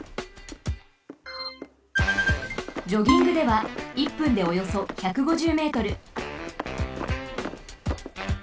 ジョギングでは１分でおよそ１５０ｍ。